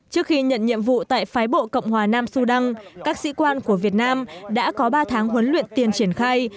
trước khi nhận nhiệm vụ tại phái bộ cộng hòa nam sudan các sĩ quan của việt nam đã có ba tháng huấn luyện tiền triển khai